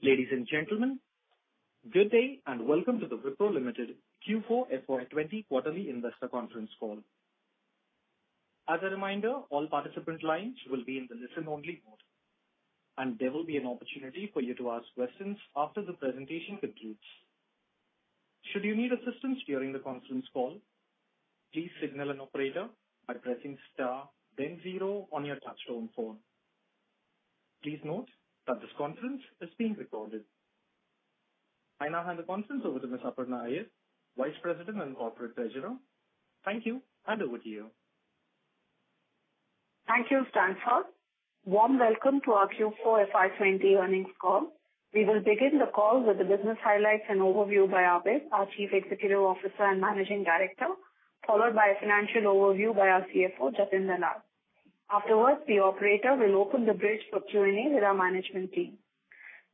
Ladies and gentlemen, good day and welcome to the Wipro Limited Q4 FY20 Quarterly Investor Conference Call. As a reminder, all participant lines will be in the listen-only mode, and there will be an opportunity for you to ask questions after the presentation concludes. Should you need assistance during the conference call, please signal an operator by pressing star, then zero on your touch-tone phone. Please note that this conference is being recorded. I now hand the conference over to Ms. Aparna Iyer, Vice President and Corporate Treasurer. Thank you, and over to you. Thank you, Stanford. Warm welcome to our Q4 FY20 Earnings Call. We will begin the call with the business highlights and overview by Abidali, our Chief Executive Officer and Managing Director, followed by a financial overview by our CFO, Jatin Dalal. Afterwards, the operator will open the bridge for Q&A with our management team.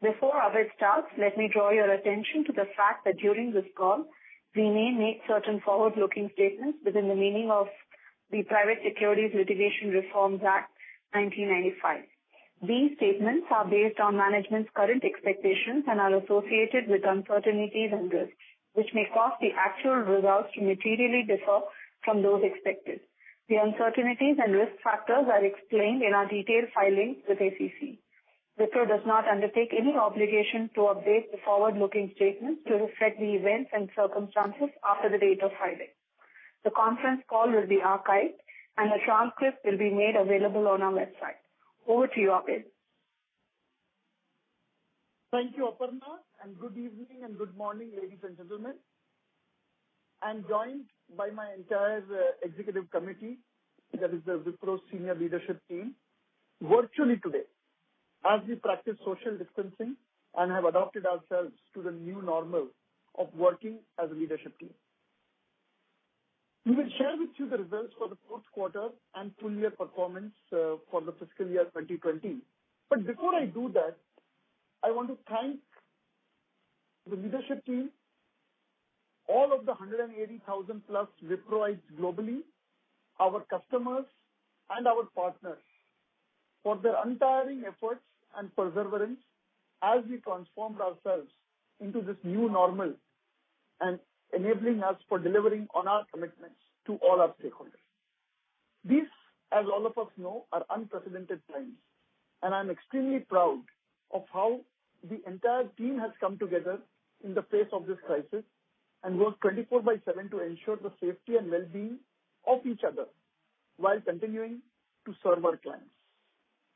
Before Abidali starts, let me draw your attention to the fact that during this call, we may make certain forward-looking statements within the meaning of the Private Securities Litigation Reform Act of 1995. These statements are based on management's current expectations and are associated with uncertainties and risks, which may cause the actual results to materially differ from those expected. The uncertainties and risk factors are explained in our detailed filings with the SEC. Wipro does not undertake any obligation to update the forward-looking statements to reflect the events and circumstances after the date of filing. The conference call will be archived, and the transcript will be made available on our website. Over to you, Abidali. Thank you, Aparna, and good evening and good morning, ladies and gentlemen. I'm joined by my entire executive committee, that is the Wipro senior leadership team, virtually today, as we practice social distancing and have adopted ourselves to the new normal of working as a leadership team. We will share with you the results for the fourth quarter and full-year performance for the fiscal year 2020. But before I do that, I want to thank the leadership team, all of the 180,000+ Wiproites globally, our customers, and our partners for their untiring efforts and perseverance as we transformed ourselves into this new normal and enabling us for delivering on our commitments to all our stakeholders. These, as all of us know, are unprecedented times, and I'm extremely proud of how the entire team has come together in the face of this crisis and worked 24 by seven to ensure the safety and well-being of each other while continuing to serve our clients.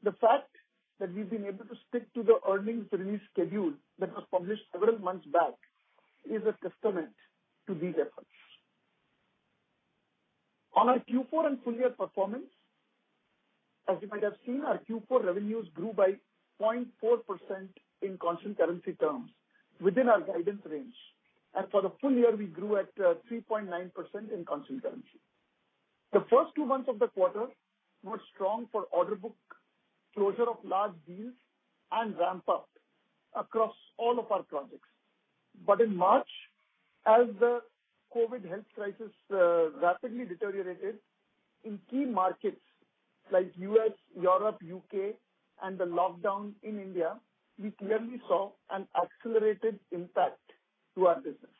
The fact that we've been able to stick to the earnings release schedule that was published several months back is a testament to these efforts. On our Q4 and full-year performance, as you might have seen, our Q4 revenues grew by 0.4% in constant currency terms within our guidance range, and for the full year, we grew at 3.9% in constant currency. The first two months of the quarter were strong for order book closure of large deals and ramp-up across all of our projects. But in March, as the COVID health crisis rapidly deteriorated in key markets like U.S., Europe, U.K., and the lockdown in India, we clearly saw an accelerated impact to our business.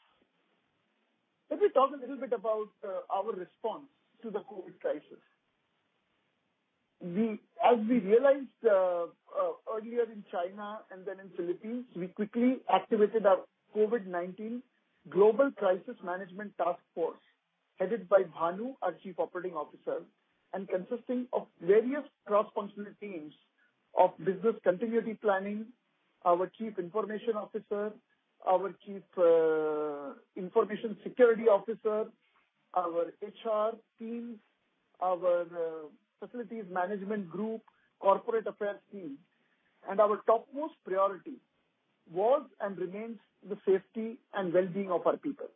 Let me talk a little bit about our response to the COVID crisis. As we realized earlier in China and then in the Philippines, we quickly activated our COVID-19 Global Crisis Management Task Force, headed by Bhanu, our Chief Operating Officer, and consisting of various cross-functional teams of business continuity planning, our Chief Information Officer, our Chief Information Security Officer, our HR team, our Facilities Management Group, Corporate Affairs team. And our topmost priority was and remains the safety and well-being of our people.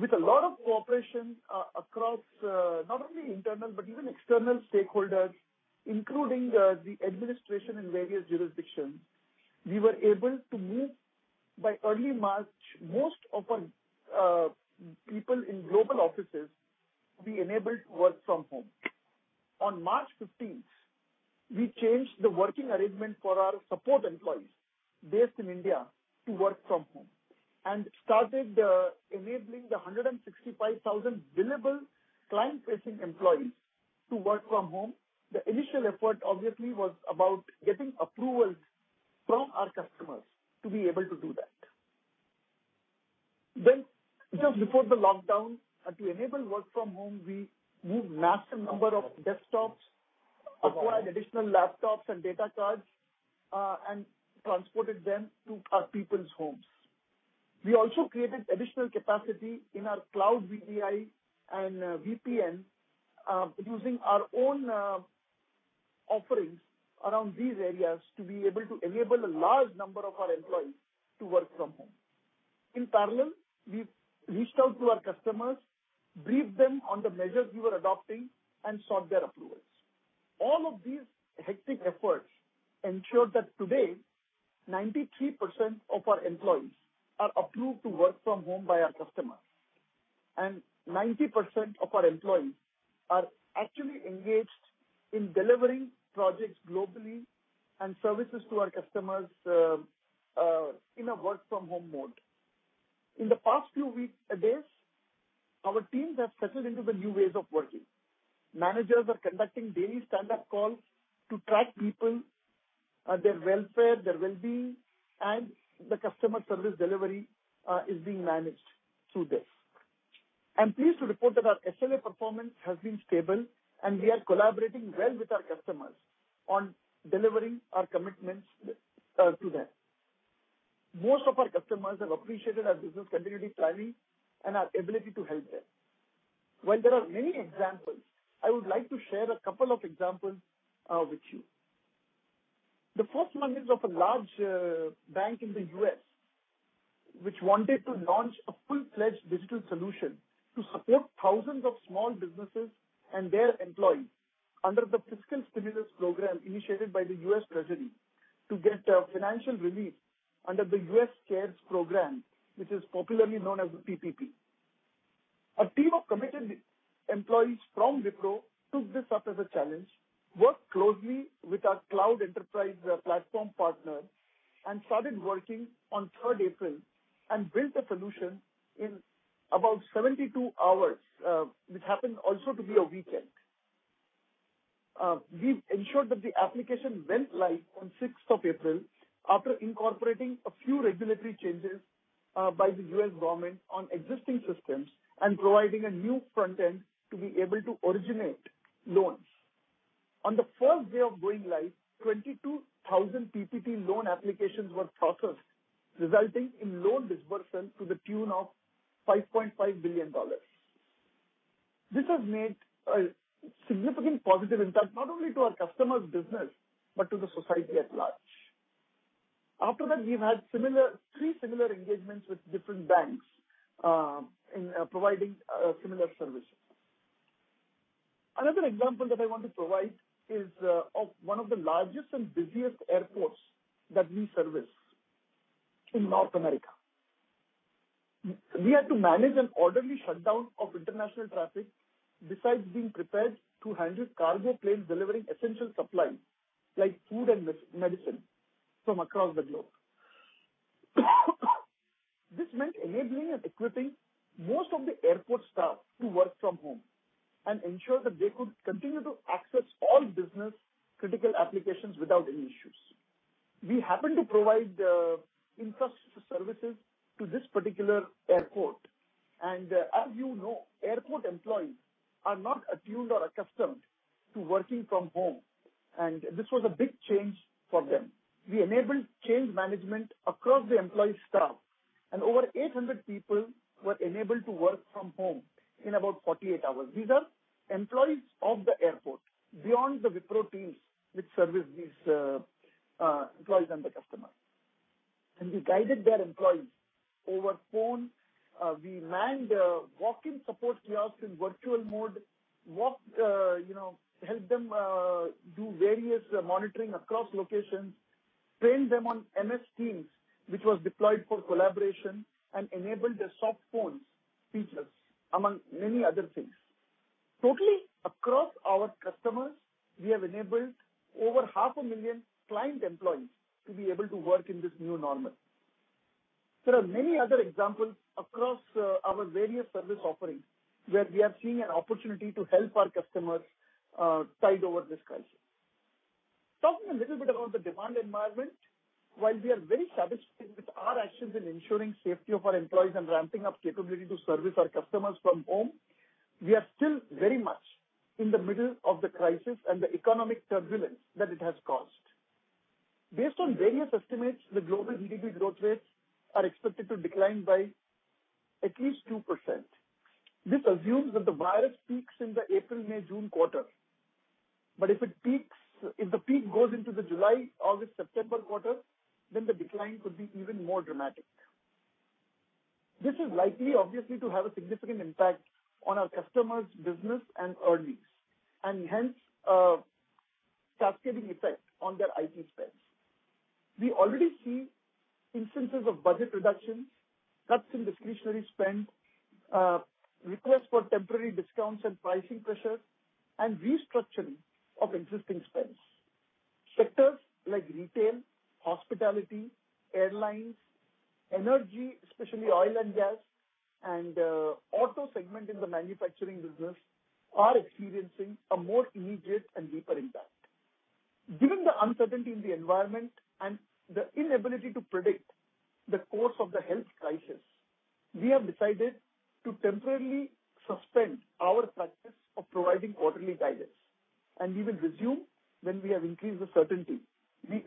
With a lot of cooperation across not only internal but even external stakeholders, including the administration in various jurisdictions, we were able to move by early March most of our people in global offices to be enabled to work from home. On March 15th, we changed the working arrangement for our support employees based in India to work from home and started enabling the 165,000 billable client-facing employees to work from home. The initial effort, obviously, was about getting approvals from our customers to be able to do that. Then, just before the lockdown, to enable work from home, we moved a massive number of desktops, acquired additional laptops and data cards, and transported them to our people's HOLMES. We also created additional capacity in our cloud VDI and VPN using our own offerings around these areas to be able to enable a large number of our employees to work from home. In parallel, we reached out to our customers, briefed them on the measures we were adopting, and sought their approvals. All of these hectic efforts ensured that today, 93% of our employees are approved to work from home by our customers, and 90% of our employees are actually engaged in delivering projects globally and services to our customers in a work-from-home mode. In the past few days, our teams have settled into the new ways of working. Managers are conducting daily stand-up calls to track people, their welfare, their well-being, and the customer service delivery is being managed through this. I'm pleased to report that our SLA performance has been stable, and we are collaborating well with our customers on delivering our commitments to them. Most of our customers have appreciated our business continuity planning and our ability to help them. While there are many examples, I would like to share a couple of examples with you. The first one is of a large bank in the U.S., which wanted to launch a full-fledged digital solution to support 1000s of small businesses and their employees under the fiscal stimulus program initiated by the U.S. Treasury to get financial relief under the U.S. CARES Act, which is popularly known as the PPP. A team of committed employees from Wipro took this up as a challenge, worked closely with our cloud enterprise platform partner, and started working on 3rd April and built a solution in about 72 hours, which happened also to be a weekend. We ensured that the application went live on 6th of April after incorporating a few regulatory changes by the U.S. government on existing systems and providing a new front end to be able to originate loans. On the first day of going live, 22,000 PPP loan applications were processed, resulting in loan disbursement to the tune of $5.5 billion. This has made a significant positive impact not only to our customers' business but to the society at large. After that, we've had three similar engagements with different banks in providing similar services. Another example that I want to provide is of one of the largest and busiest airports that we service in North America. We had to manage an orderly shutdown of international traffic besides being prepared to handle cargo planes delivering essential supplies like food and medicine from across the globe. This meant enabling and equipping most of the airport staff to work from home and ensure that they could continue to access all business-critical applications without any issues. We happened to provide infrastructure services to this particular airport, and as you know, airport employees are not attuned or accustomed to working from home, and this was a big change for them. We enabled change management across the employee staff, and over 800 people were enabled to work from home in about 48 hours. These are employees of the airport beyond the Wipro teams which service these employees and the customers. And we guided their employees over phone. We manned walk-in support kiosks in Virtua mode, helped them do various monitoring across locations, trained them on MS Teams, which was deployed for collaboration, and enabled their soft phones features, among many other things. Totally, across our customers, we have enabled over 500,000 client employees to be able to work in this new normal. There are many other examples across our various service offerings where we are seeing an opportunity to help our customers tide over this crisis. Talking a little bit about the demand environment, while we are very satisfied with our actions in ensuring the safety of our employees and ramping up capability to service our customers from home, we are still very much in the middle of the crisis and the economic turbulence that it has caused. Based on various estimates, the global GDP growth rates are expected to decline by at least 2%. This assumes that the virus peaks in the April, May, June quarter, but if the peak goes into the July, August, September quarter, then the decline could be even more dramatic. This is likely, obviously, to have a significant impact on our customers' business and earnings, and hence, cascading effect on their IT spends. We already see instances of budget reductions, cuts in discretionary spend, requests for temporary discounts and pricing pressure, and restructuring of existing spends. Sectors like retail, hospitality, airlines, energy, especially oil and gas, and the auto segment in the manufacturing business are experiencing a more immediate and deeper impact. Given the uncertainty in the environment and the inability to predict the course of the health crisis, we have decided to temporarily suspend our practice of providing quarterly guidance, and we will resume when we have increased the certainty,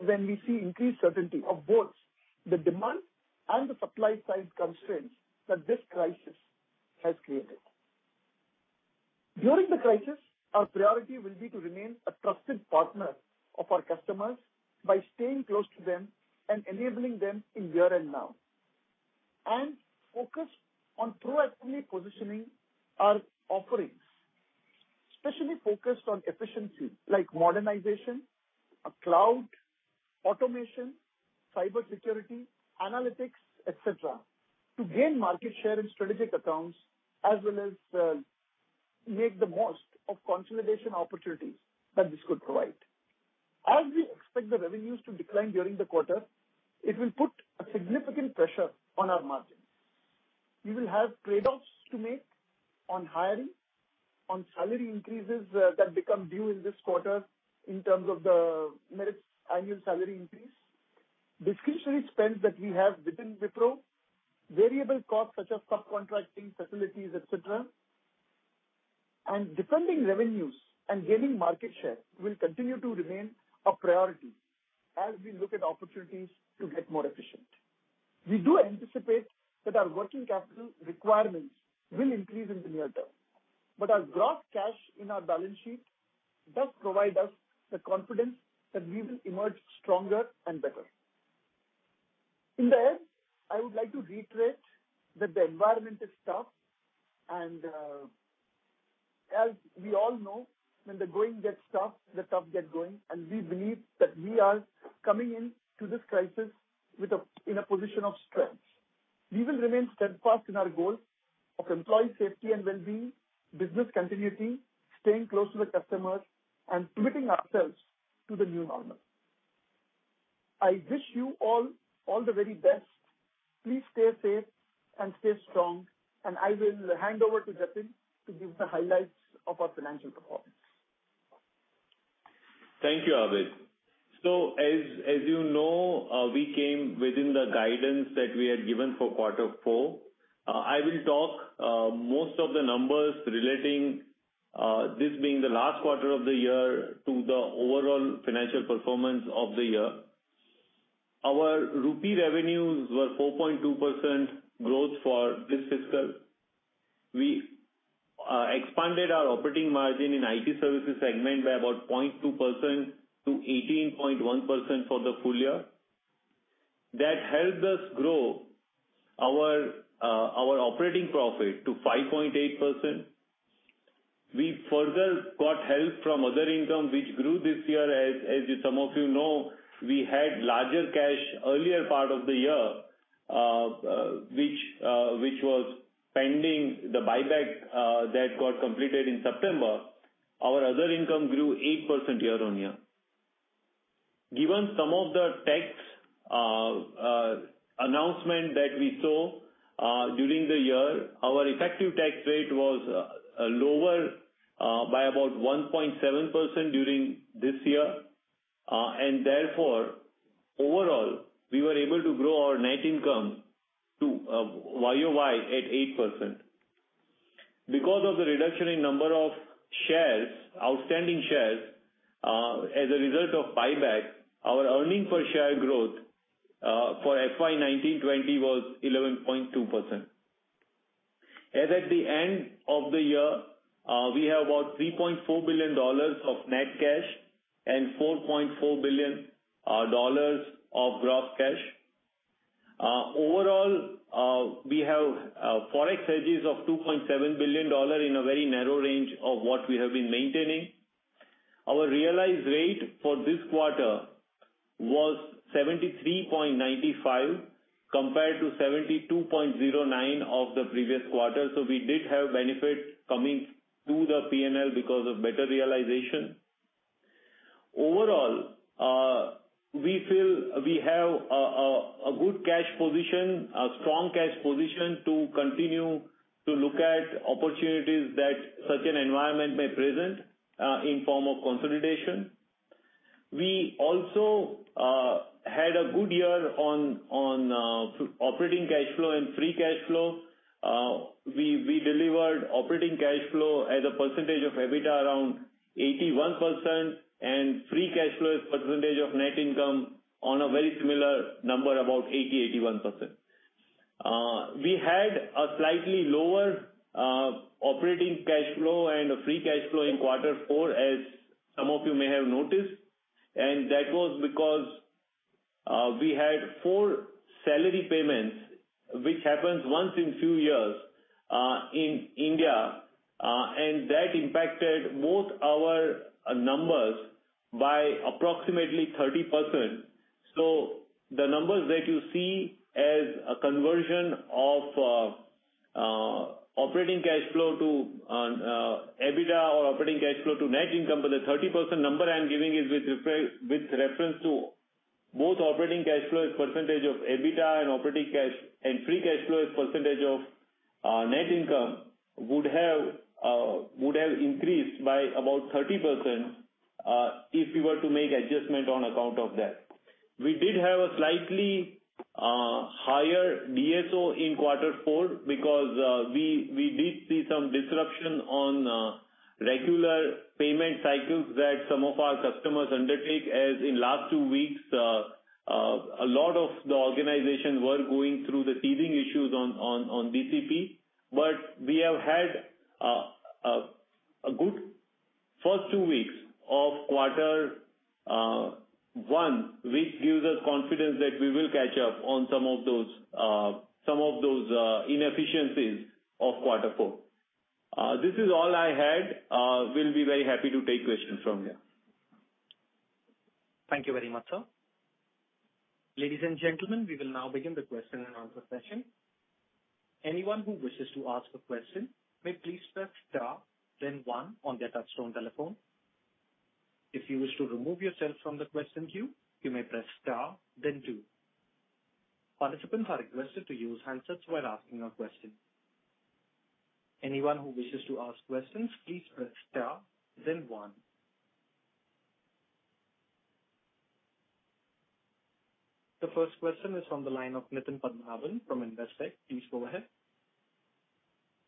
when we see increased certainty of both the demand and the supply-side constraints that this crisis has created. During the crisis, our priority will be to remain a trusted partner of our customers by staying close to them and enabling them in here and now, and focus on proactively positioning our offerings, especially focused on efficiencies like modernization, cloud automation, cybersecurity, analytics, etc., to gain market share in strategic accounts as well as make the most of consolidation opportunities that this could provide. As we expect the revenues to decline during the quarter, it will put a significant pressure on our margins. We will have trade-offs to make on hiring, on salary increases that become due in this quarter in terms of the annual salary increase, discretionary spend that we have within Wipro, variable costs such as subcontracting, facilities, etc., and defending revenues and gaining market share will continue to remain a priority as we look at opportunities to get more efficient. We do anticipate that our working capital requirements will increase in the near term, but our gross cash in our balance sheet does provide us the confidence that we will emerge stronger and better. In the end, I would like to reiterate that the environment is tough, and as we all know, when the going gets tough, the tough get going, and we believe that we are coming into this crisis in a position of strength. We will remain steadfast in our goal of employee safety and well-being, business continuity, staying close to the customers, and committing ourselves to the new normal. I wish you all the very best. Please stay safe and stay strong, and I will hand over to Jatin to give the highlights of our financial performance. Thank you, Abid. So, as you know, we came within the guidance that we had given for quarter four. I will talk most of the numbers relating this being the last quarter of the year to the overall financial performance of the year. Our Rupee revenues were 4.2% growth for this fiscal. We expanded our operating margin in IT services segment by about 0.2%-18.1% for the full year. That helped us grow our operating profit to 5.8%. We further got help from other income, which grew this year. As some of you know, we had larger cash earlier part of the year, which was pending the buyback that got completed in September. Our other income grew 8% year on year. Given some of the tax announcement that we saw during the year, our effective tax rate was lower by about 1.7% during this year, and therefore, overall, we were able to grow our net income to YOY at 8%. Because of the reduction in number of shares, outstanding shares, as a result of buyback, our earnings per share growth for FY 2019/20 was 11.2%. At the end of the year, we have about $3.4 billion of net cash and $4.4 billion of gross cash. Overall, we have forex hedges of $2.7 billion in a very narrow range of what we have been maintaining. Our realized rate for this quarter was 73.95 compared to 72.09 of the previous quarter, so we did have benefit coming to the P&L because of better realization. Overall, we feel we have a good cash position, a strong cash position to continue to look at opportunities that such an environment may present in form of consolidation. We also had a good year on operating cash flow and free cash flow. We delivered operating cash flow as a percentage of EBITDA around 81%, and free cash flow as a percentage of net income on a very similar number, about 80-81%. We had a slightly lower operating cash flow and free cash flow in quarter four, as some of you may have noticed, and that was because we had four salary payments, which happens once in a few years in India, and that impacted both our numbers by approximately 30%. So the numbers that you see as a conversion of operating cash flow to EBITDA or operating cash flow to net income, but the 30% number I'm giving is with reference to both operating cash flow as percentage of EBITDA and operating cash and free cash flow as percentage of net income would have increased by about 30% if we were to make adjustment on account of that. We did have a slightly higher DSO in quarter four because we did see some disruption on regular payment cycles that some of our customers undertake. As in the last two weeks, a lot of the organizations were going through the teething issues on BCP, but we have had a good first two weeks of quarter one, which gives us confidence that we will catch up on some of those inefficiencies of quarter four. This is all I had. We'll be very happy to take questions from you. Thank you very much, sir. Ladies and gentlemen, we will now begin the question and answer session. Anyone who wishes to ask a question may please press star, then one on their touch-tone telephone. If you wish to remove yourself from the question queue, you may press star, then two. Participants are requested to use handsets while asking a question. Anyone who wishes to ask questions, please press star, then one. The first question is from the line of Nitin Padmanabhan from Investec. Please go ahead.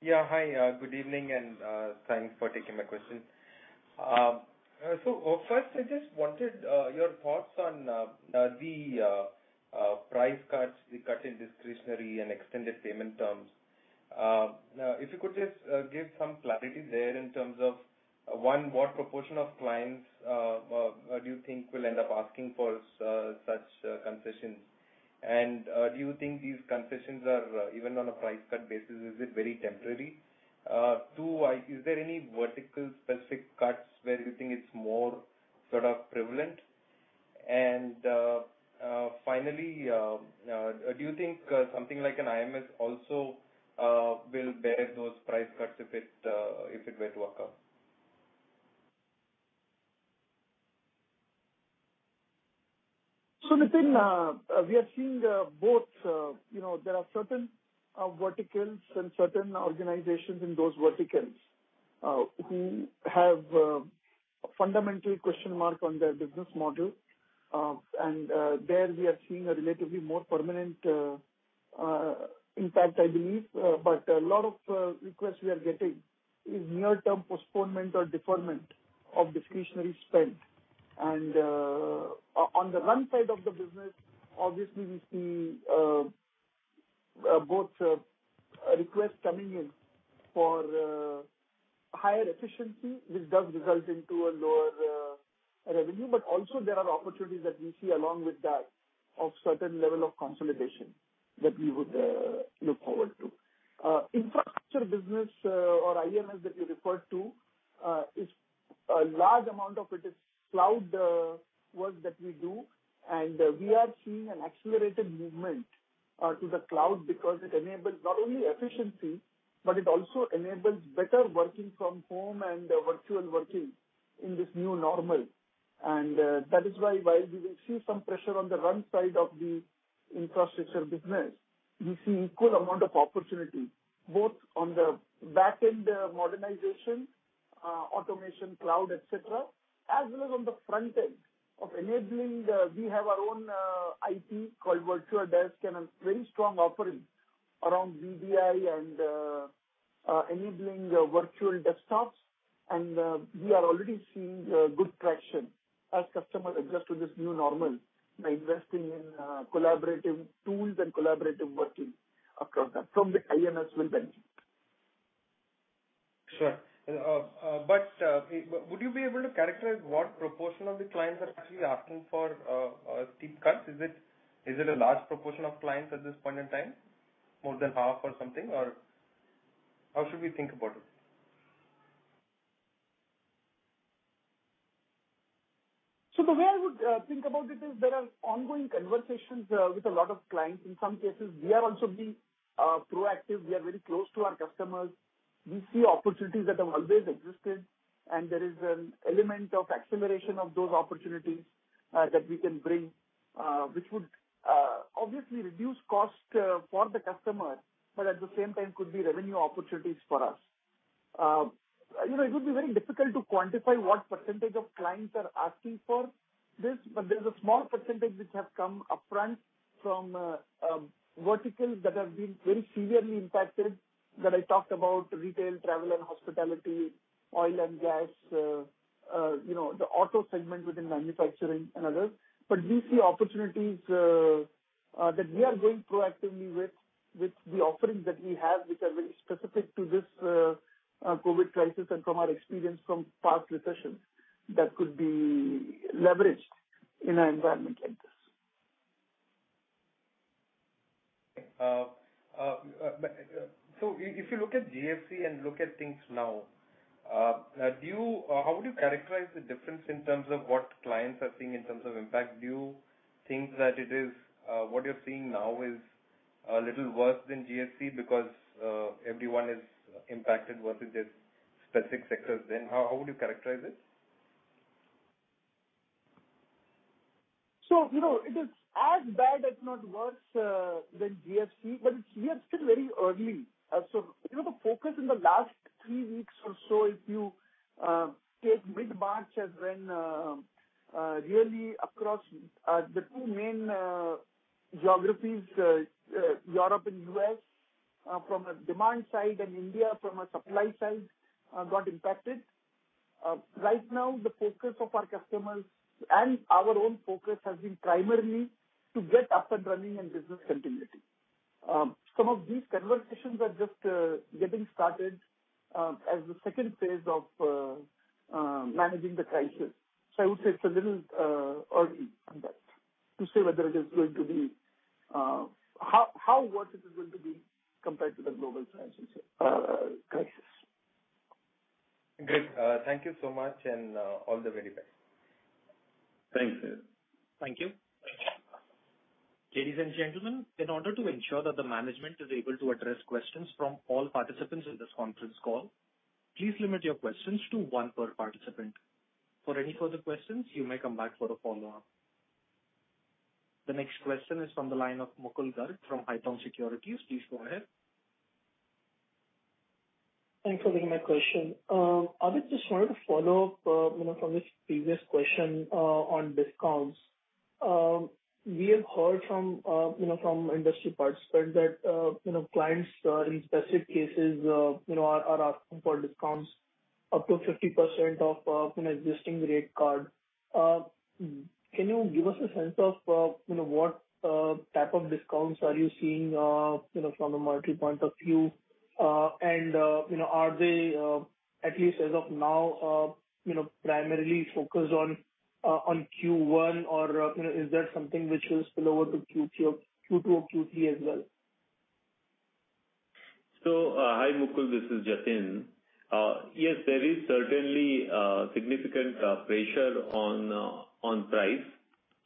Yeah. Hi. Good evening, and thanks for taking my question. So first, I just wanted your thoughts on the price cuts, the cut in discretionary, and extended payment terms. Now, if you could just give some clarity there in terms of, one, what proportion of clients do you think will end up asking for such concessions? And do you think these concessions are even on a price-cut basis? Is it very temporary? Two, is there any vertical-specific cuts where you think it's more sort of prevalent? And finally, do you think something like an IMS also will bear those price cuts if it were to occur? So Nitin, we are seeing both. There are certain verticals and certain organizations in those verticals who have a fundamental question mark on their business model, and there we are seeing a relatively more permanent impact, I believe. But a lot of requests we are getting is near-term postponement or deferment of discretionary spend. On the run side of the business, obviously, we see both requests coming in for higher efficiency, which does result in lower revenue, but also there are opportunities that we see along with that of a certain level of consolidation that we would look forward to. Infrastructure business or IMS that you referred to, a large amount of it is cloud work that we do, and we are seeing an accelerated movement to the cloud because it enables not only efficiency, but it also enables better working from home and virtual working in this new normal. That is why while we will see some pressure on the run side of the infrastructure business, we see an equal amount of opportunity both on the back-end modernization, automation, cloud, etc., as well as on the front-end of enabling. We have our own IP called VirtuaDesk. There's a very strong offering around VDI and enabling virtual desktops, and we are already seeing good traction as customers adjust to this new normal by investing in collaborative tools and collaborative working across that. From the IMS, we'll benefit. Sure. But would you be able to characterize what proportion of the clients are actually asking for deep cuts? Is it a large proportion of clients at this point in time, more than half or something, or how should we think about it? So the way I would think about it is there are ongoing conversations with a lot of clients. In some cases, we are also being proactive. We are very close to our customers. We see opportunities that have always existed, and there is an element of acceleration of those opportunities that we can bring, which would obviously reduce cost for the customer, but at the same time, could be revenue opportunities for us. It would be very difficult to quantify what percentage of clients are asking for this, but there's a small % which have come upfront from verticals that have been very severely impacted that I talked about: retail, travel and hospitality, oil and gas, the auto segment within manufacturing, and others. But we see opportunities that we are going proactively with the offerings that we have, which are very specific to this COVID crisis and from our experience from past recessions that could be leveraged in an environment like this. So if you look at GFC and look at things now, how would you characterize the difference in terms of what clients are seeing in terms of impact? Do you think that what you're seeing now is a little worse than GFC because everyone is impacted versus this specific sector? Then how would you characterize it? So it is as bad if not worse than GFC, but we are still very early. So the focus in the last three weeks or so, if you take mid-March, has been really across the two main geographies, Europe and U.S., from a demand side and India from a supply side got impacted. Right now, the focus of our customers and our own focus has been primarily to get up and running and business continuity. Some of these conversations are just getting started as the second phase of managing the crisis. So I would say it's a little early to say whether it is going to be how worse it is going to be compared to the global financial crisis. Great. Thank you so much and all the very best. Thanks. Thank you. Ladies and gentlemen, in order to ensure that the management is able to address questions from all participants in this conference call, please limit your questions to one per participant. For any further questions, you may come back for a follow-up. The next question is from the line of Mukul Garg from Haitong Securities. Please go ahead. Thanks for taking my question. Abid, just wanted to follow up from this previous question on discounts. We have heard from industry participants that clients, in specific cases, are asking for discounts up to 50% off existing rate card. Can you give us a sense of what type of discounts are you seeing from a monetary point of view? And are they, at least as of now, primarily focused on Q1, or is that something which will spill over to Q2 or Q3 as well? So hi, Mukul. This is Jatin. Yes, there is certainly significant pressure on price.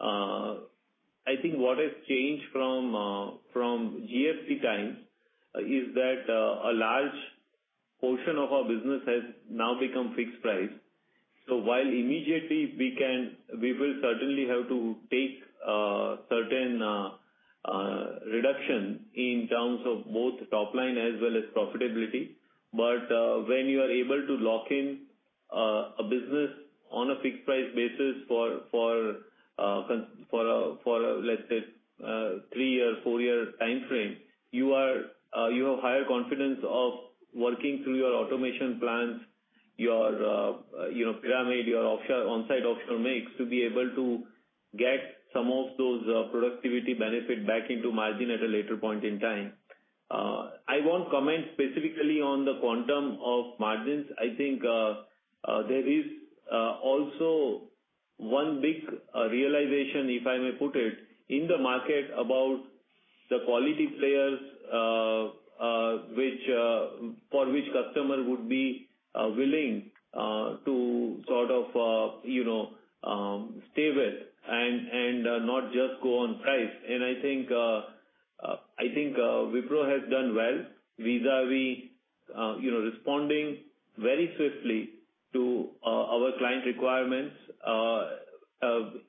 I think what has changed from GFC time is that a large portion of our business has now become fixed price. So while immediately we will certainly have to take certain reductions in terms of both top line as well as profitability, but when you are able to lock in a business on a fixed price basis for, let's say, a three-year, four-year time frame, you have higher confidence of working through your automation plans, your pyramid, your on-site offshore mix to be able to get some of those productivity benefits back into margin at a later point in time. I won't comment specifically on the quantum of margins. I think there is also one big realization, if I may put it, in the market about the quality players for which customers would be willing to sort of stay with and not just go on price. And I think Wipro has done well vis-à-vis responding very swiftly to our client requirements.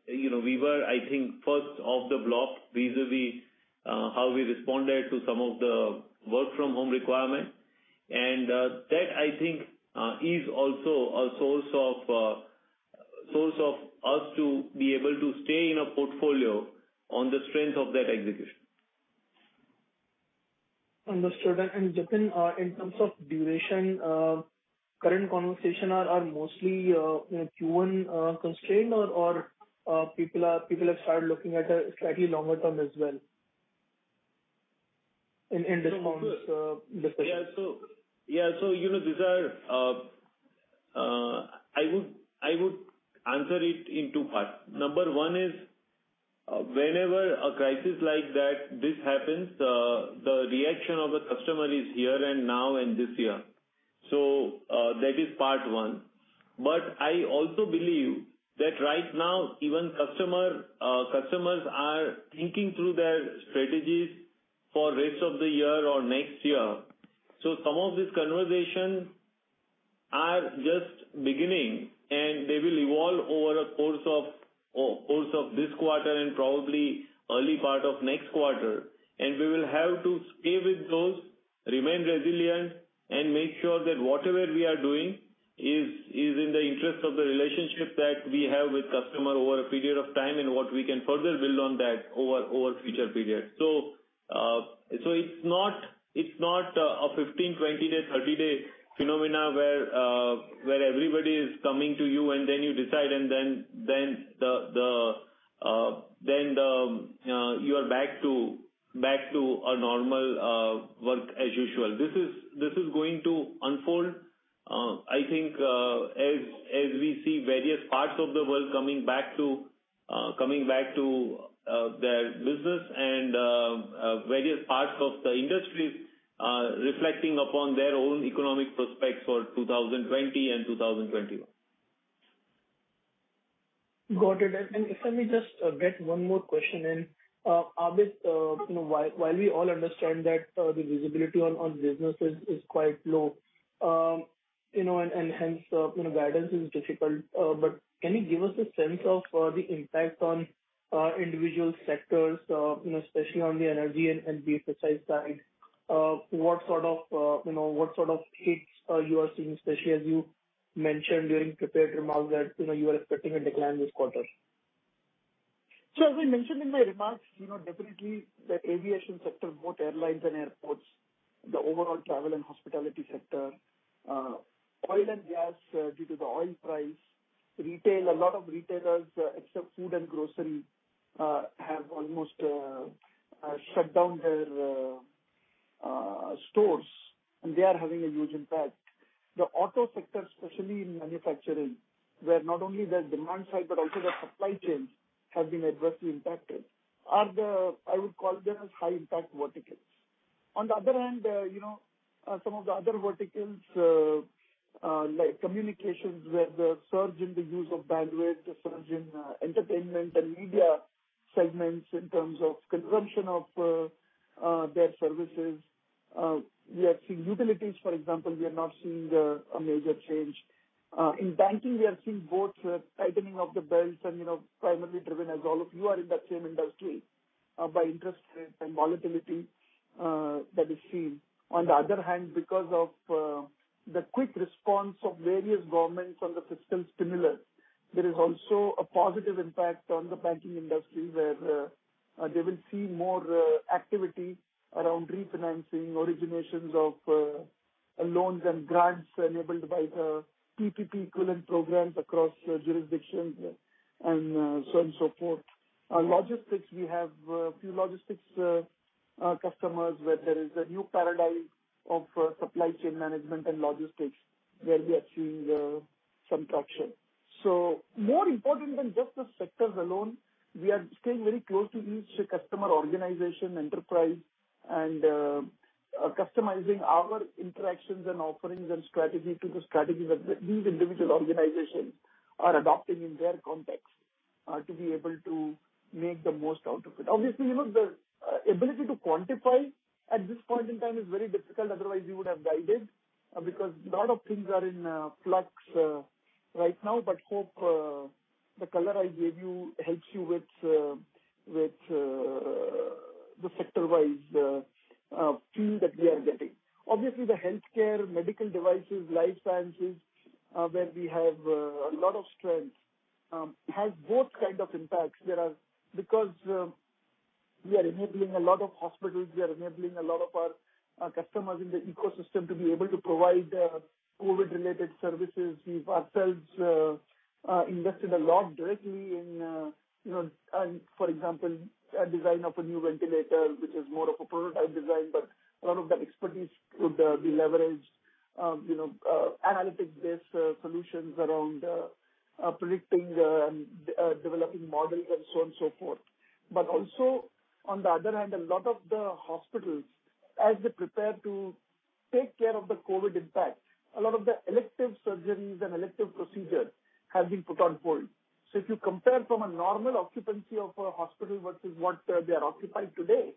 We were, I think, first off the block vis-à-vis how we responded to some of the work from home requirements. And that, I think, is also a source for us to be able to stay in the portfolio on the strength of that execution. Understood. And Jatin, in terms of duration, current conversations are mostly Q1 constrained, or people have started looking at a slightly longer term as well in discount discussions? Yeah. So these are. I would answer it in two parts. Number one is whenever a crisis like this happens, the reaction of a customer is here and now and this year. So that is part one. But I also believe that right now, even customers are thinking through their strategies for the rest of the year or next year. So some of these conversations are just beginning, and they will evolve over the course of this quarter and probably early part of next quarter. And we will have to stay with those, remain resilient, and make sure that whatever we are doing is in the interest of the relationship that we have with customers over a period of time and what we can further build on that over future periods. So it's not a 15-, 20-, 30-day phenomenon where everybody is coming to you, and then you decide, and then you are back to a normal work as usual. This is going to unfold, I think, as we see various parts of the world coming back to their business and various parts of the industries reflecting upon their own economic prospects for 2020 and 2021. Got it. And if I may just get one more question in. Abid, while we all understand that the visibility on businesses is quite low and hence guidance is difficult, but can you give us a sense of the impact on individual sectors, especially on the energy and the BFSI side? What sort of hits are you seeing, especially as you mentioned during prepared remarks that you were expecting a decline this quarter? So as I mentioned in my remarks, definitely the aviation sector, both airlines and airports, the overall travel and hospitality sector, oil and gas due to the oil price, retail, a lot of retailers, except food and grocery, have almost shut down their stores, and they are having a huge impact. The auto sector, especially in manufacturing, where not only the demand side but also the supply chains have been adversely impacted, are the, I would call them, high-impact verticals. On the other hand, some of the other verticals, like communications, where the surge in the use of bandwidth, the surge in entertainment and media segments in terms of consumption of their services. We are seeing utilities, for example. We are not seeing a major change. In banking, we are seeing both tightening of the belts and primarily driven, as all of you are in that same industry, by interest rates and volatility that is seen. On the other hand, because of the quick response of various governments on the fiscal stimulus, there is also a positive impact on the banking industry, where they will see more activity around refinancing, originations of loans and grants enabled by the PPP equivalent programs across jurisdictions and so on and so forth. Logistics, we have a few logistics customers where there is a new paradigm of supply chain management and logistics, where we are seeing some traction. So more important than just the sectors alone, we are staying very close to each customer organization, enterprise, and customizing our interactions and offerings and strategies to the strategies that these individual organizations are adopting in their context to be able to make the most out of it. Obviously, the ability to quantify at this point in time is very difficult. Otherwise, we would have guided because a lot of things are in flux right now. But hope the color I gave you helps you with the sector-wise feel that we are getting. Obviously, the healthcare, medical devices, life sciences, where we have a lot of strength, has both kinds of impacts because we are enabling a lot of hospitals. We are enabling a lot of our customers in the ecosystem to be able to provide COVID-related services. We've ourselves invested a lot directly in, for example, a design of a new ventilator, which is more of a prototype design, but a lot of that expertise could be leveraged, analytics-based solutions around predicting and developing models and so on and so forth. But also, on the other hand, a lot of the hospitals, as they prepare to take care of the COVID impact, a lot of the elective surgeries and elective procedures have been put on hold. So if you compare from a normal occupancy of a hospital versus what they are occupied today,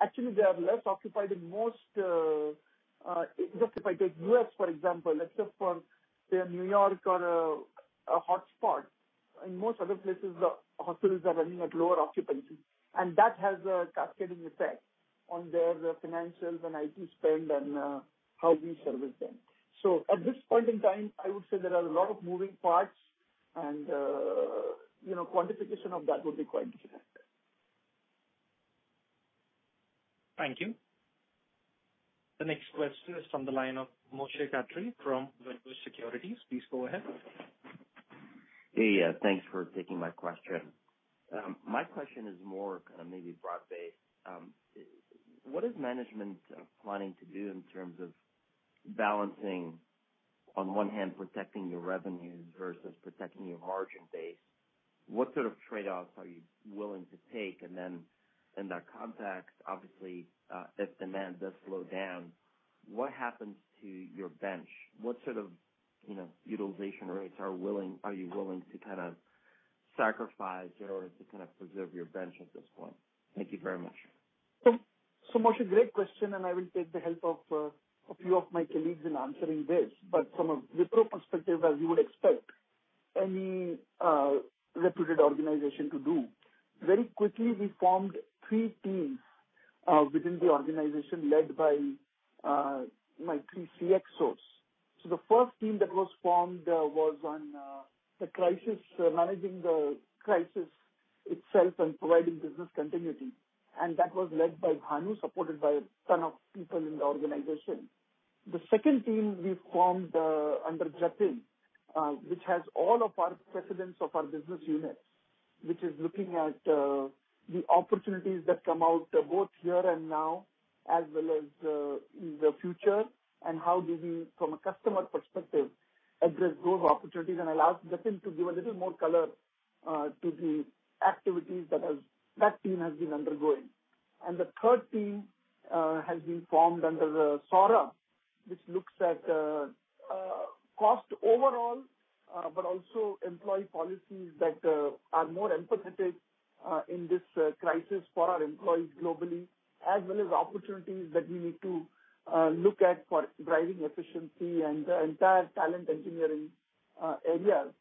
actually, they are less occupied in most. Just if I take U.S., for example, except for New York or a hotspot, in most other places, the hospitals are running at lower occupancy. And that has a cascading effect on their financials and IT spend and how we service them. So at this point in time, I would say there are a lot of moving parts, and quantification of that would be quite difficult. Thank you. The next question is from the line of Moshe Katri from Wedbush Securities. Please go ahead. Hey, yeah. Thanks for taking my question. My question is more kind of maybe broad-based. What is management planning to do in terms of balancing, on one hand, protecting your revenues versus protecting your margin base? What sort of trade-offs are you willing to take? And then in that context, obviously, if demand does slow down, what happens to your bench? What sort of utilization rates are you willing to kind of sacrifice in order to kind of preserve your bench at this point? Thank you very much. Moshe, great question, and I will take the help of a few of my colleagues in answering this. But from a Wipro perspective, as you would expect any reputed organization to do, very quickly, we formed three teams within the organization led by my three CXOs. The first team that was formed was on the crisis, managing the crisis itself and providing business continuity. And that was led by Bhanu, supported by a ton of people in the organization. The second team we formed under Jatin, which has all of our presidents of our business units, which is looking at the opportunities that come out both here and now as well as in the future, and how do we, from a customer perspective, address those opportunities. And I'll ask Jatin to give a little more color to the activities that that team has been undergoing. And the third team has been formed under Saurabh, which looks at cost overall, but also employee policies that are more empathetic in this crisis for our employees globally, as well as opportunities that we need to look at for driving efficiency and the entire talent engineering areas,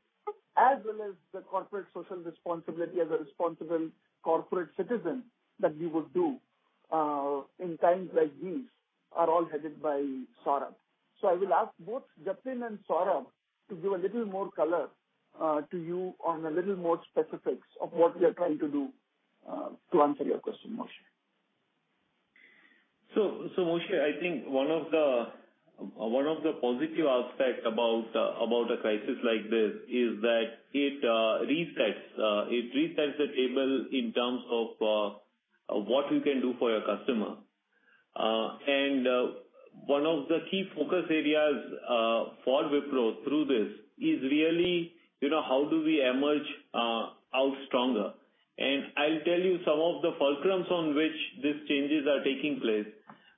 as well as the corporate social responsibility as a responsible corporate citizen that we would do in times like these are all headed by Saurabh. So I will ask both Jatin and Saurabh to give a little more color to you on a little more specifics of what we are trying to do to answer your question, Moshe. So Moshe, I think one of the positive aspects about a crisis like this is that it resets the table in terms of what we can do for a customer. One of the key focus areas for Wipro through this is really how do we emerge out stronger. I'll tell you some of the fulcrums on which these changes are taking place.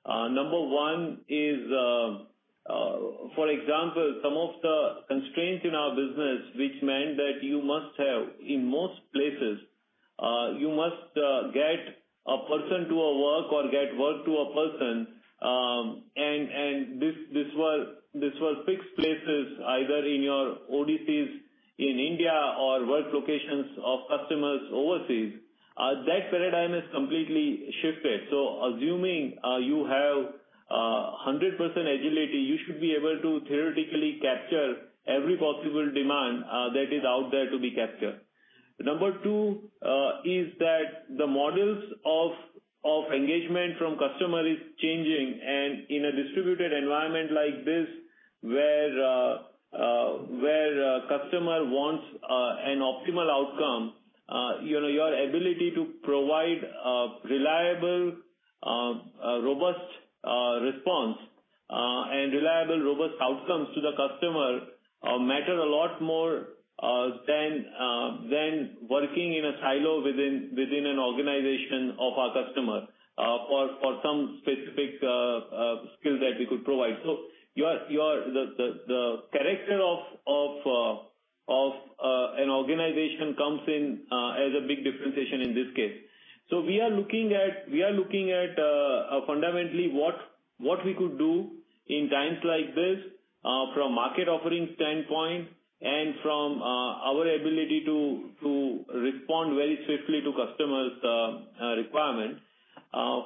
Number one is, for example, some of the constraints in our business, which meant that you must have, in most places, you must get a person to a work or get work to a person. This was fixed places, either in your ODCs in India or work locations of customers overseas. That paradigm is completely shifted. Assuming you have 100% agility, you should be able to theoretically capture every possible demand that is out there to be captured. Number two is that the models of engagement from customers is changing. In a distributed environment like this, where a customer wants an optimal outcome, your ability to provide a reliable, robust response and reliable, robust outcomes to the customer matter a lot more than working in a silo within an organization of our customer for some specific skill that we could provide. The character of an organization comes in as a big differentiation in this case. We are looking at fundamentally what we could do in times like this from a market offering standpoint and from our ability to respond very swiftly to customers' requirements.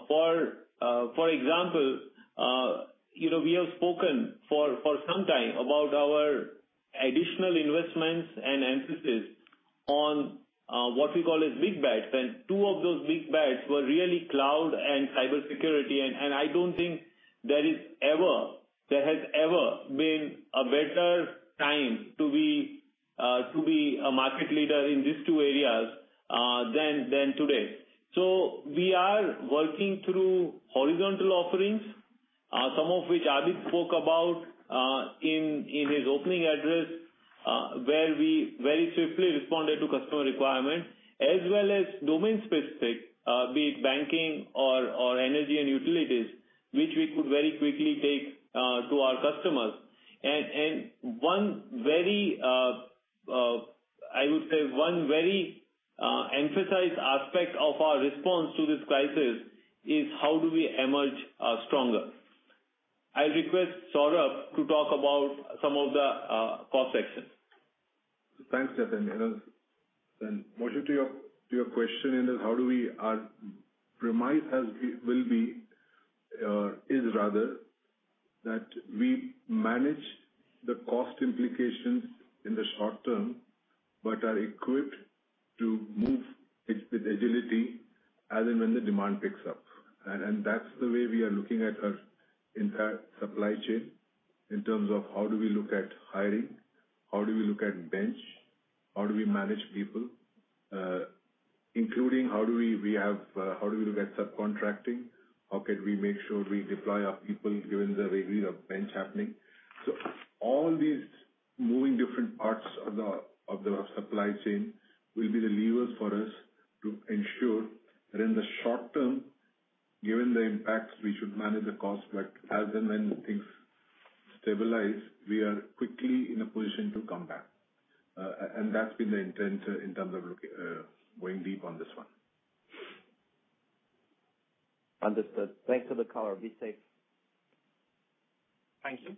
For example, we have spoken for some time about our additional investments and emphasis on what we call as big bets. Two of those big bets were really cloud and cybersecurity. I don't think there has ever been a better time to be a market leader in these two areas than today. So we are working through horizontal offerings, some of which Abid spoke about in his opening address, where we very swiftly responded to customer requirements, as well as domain-specific, be it banking or energy and utilities, which we could very quickly take to our customers. And I would say one very emphasized aspect of our response to this crisis is how do we emerge stronger. I'll request Saurabh to talk about some of the cross-sections. Thanks, Jatin. And Moshe, to your question in this, how do we remind us will be or is rather that we manage the cost implications in the short term but are equipped to move with agility as and when the demand picks up. And that's the way we are looking at our entire supply chain in terms of how do we look at hiring, how do we look at bench, how do we manage people, including how do we look at subcontracting, how can we make sure we deploy our people given the degree of bench happening. So all these moving different parts of the supply chain will be the levers for us to ensure that in the short term, given the impacts, we should manage the cost. But as and when things stabilize, we are quickly in a position to come back. And that's been the intent in terms of going deep on this one. Understood. Thanks for the color. Be safe. Thank you.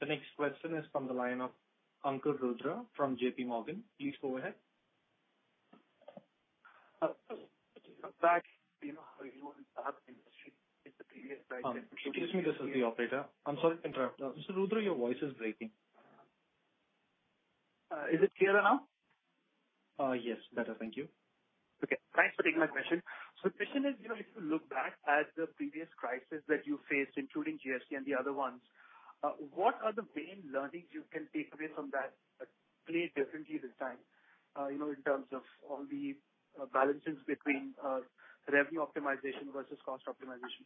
The next question is from the line of Ankur Rudra from JPMorgan. Please go ahead. Back to you on the industry. Excuse me, this is the operator. I'm sorry to interrupt. Mr. Rudra, your voice is breaking. Is it clearer now? Yes, better. Thank you. Okay. Thanks for taking my question. So the question is, if you look back at the previous crisis that you faced, including GFC and the other ones, what are the main learnings you can take away from that? Play differently this time in terms of all the balances between revenue optimization vs cost optimization.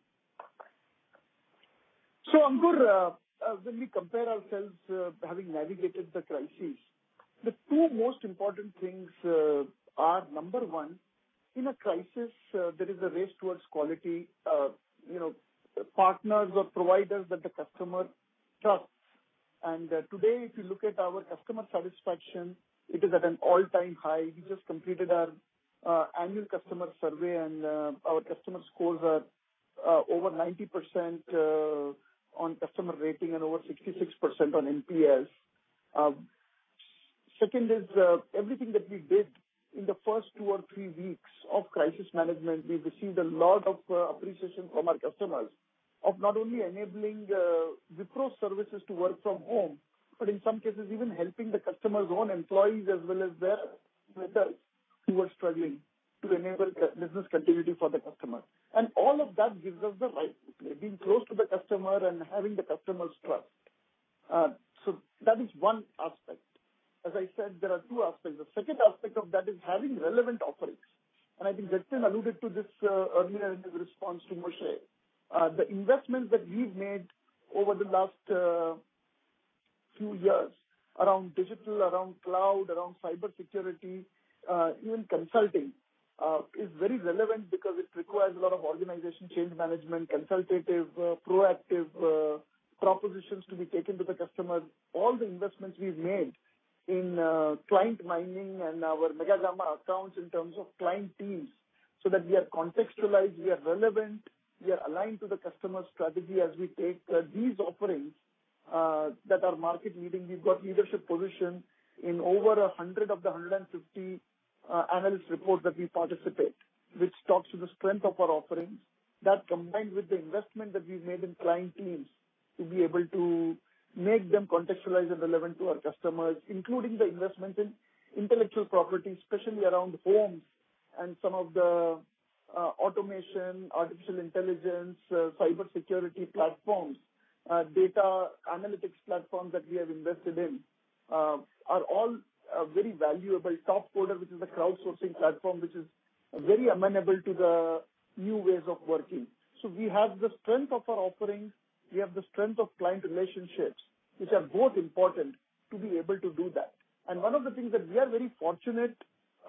So Rudra, when we compare ourselves having navigated the crises, the two most important things are, number one, in a crisis, there is a race towards quality partners or providers that the customer trusts. And today, if you look at our customer satisfaction, it is at an all-time high. We just completed our annual customer survey, and our customer scores are over 90% on customer rating and over 66% on NPS. Second is everything that we did in the first two or three weeks of crisis management. We received a lot of appreciation from our customers of not only enabling Wipro services to work from home, but in some cases, even helping the customers' own employees as well as their vendors who were struggling to enable business continuity for the customer, and all of that gives us the right to play being close to the customer and having the customer's trust, so that is one aspect. As I said, there are two aspects. The second aspect of that is having relevant offerings, and I think Jatin alluded to this earlier in his response to Moshe. The investments that we've made over the last few years around digital, around cloud, around cybersecurity, even consulting is very relevant because it requires a lot of organizational change management, consultative, proactive propositions to be taken to the customers. All the investments we've made in client mining and our Mega and Gamma accounts in terms of client teams so that we are contextualized, we are relevant, we are aligned to the customer strategy as we take these offerings that are market-leading. We've got leadership positions in over 100 of the 150 analyst reports that we participate, which talks to the strength of our offerings. That combined with the investment that we've made in client teams to be able to make them contextualized and relevant to our customers, including the investments in intellectual property, especially around homes and some of the automation, artificial intelligence, cybersecurity platforms, data analytics platforms that we have invested in are all very valuable. Topcoder, which is a crowdsourcing platform, which is very amenable to the new ways of working. So we have the strength of our offerings. We have the strength of client relationships, which are both important to be able to do that. And one of the things that we are very fortunate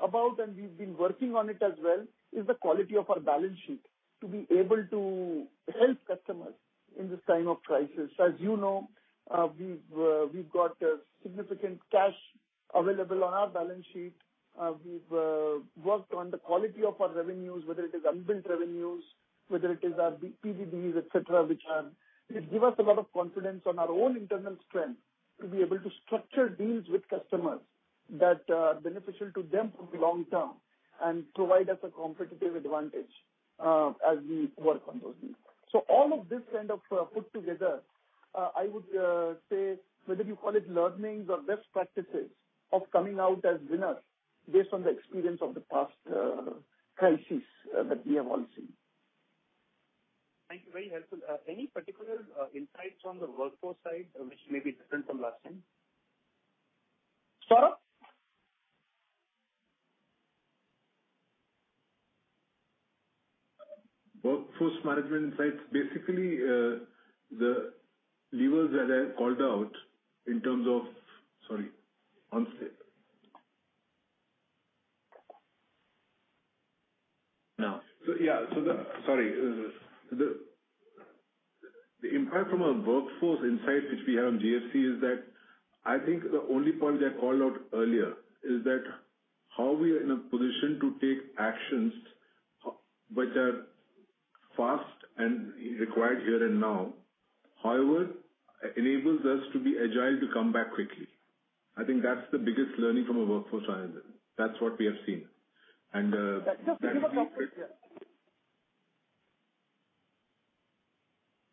about, and we've been working on it as well, is the quality of our balance sheet to be able to help customers in this time of crisis. As you know, we've got significant cash available on our balance sheet. We've worked on the quality of our revenues, whether it is unbilled revenues, whether it is our PDDs, etc., which give us a lot of confidence on our own internal strength to be able to structure deals with customers that are beneficial to them for the long term and provide us a competitive advantage as we work on those deals. So all of this kind of put together, I would say, whether you call it learnings or best practices of coming out as winners based on the experience of the past crises that we have all seen. Thank you. Very helpful. Any particular insights on the Wipro side, which may be different from last time? Saurabh? Well, workforce management insights. Basically, the levers that I called out in terms of. The impact from a Wipro insight, which we have on GFC, is that I think the only point that I called out earlier is that how we are in a position to take actions which are fast and required here and now, however, enables us to be agile to come back quickly. I think that's the biggest learning from a Wipro strategy. That's what we have seen. And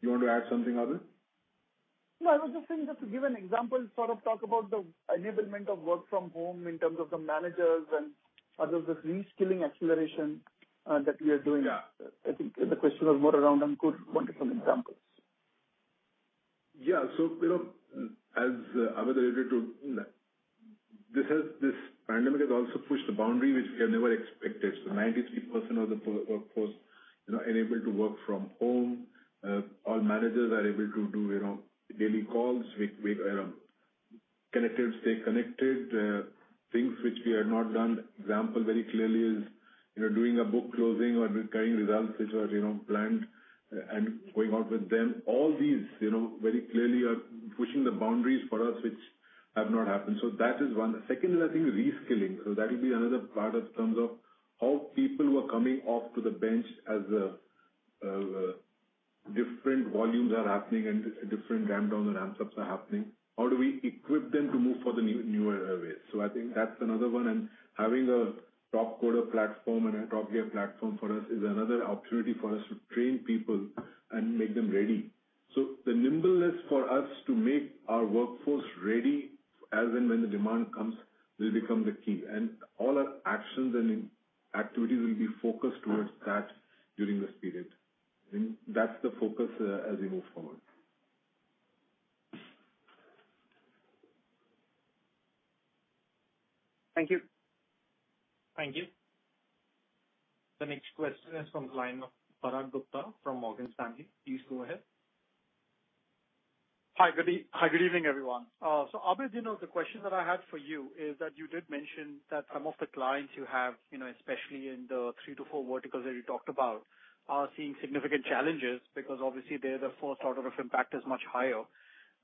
you want to add something, Abid? No, I was just saying just to give an example, sort of talk about the enablement of work from home in terms of the managers and other reskilling acceleration that we are doing. I think the question was more around Ankur Rudra's examples. Yeah. So as Abid alluded to, this pandemic has also pushed the boundary which we have never expected. So 93% of the workforce are enabled to work from home. All managers are able to do daily calls, connected, stay connected, things which we have not done. Example very clearly is doing a book closing or carrying results which were planned and going out with them. All these very clearly are pushing the boundaries for us, which have not happened. So that is one. Second, I think reskilling. So that will be another part in terms of how people who are coming off to the bench as different volumes are happening and different ramp-downs and ramp-ups are happening. How do we equip them to move for the newer ways? So I think that's another one, and having a Topcoder platform and a TopGear platform for us is another opportunity for us to train people and make them ready. So the nimbleness for us to make our workforce ready as and when the demand comes will become the key. And all our actions and activities will be focused towards that during this period. And that's the focus as we move forward. Thank you. Thank you. The next question is from the line of Parag Gupta from Morgan Stanley. Please go ahead. Hi. Good evening, everyone. So Abid, the question that I had for you is that you did mention that some of the clients you have, especially in the three to four verticals that you talked about, are seeing significant challenges because obviously their footprint of impact is much higher.